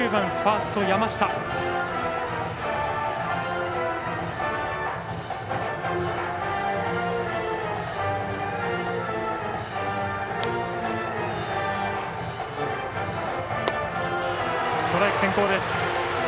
ストライク先行です。